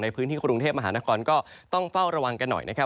พื้นที่กรุงเทพมหานครก็ต้องเฝ้าระวังกันหน่อยนะครับ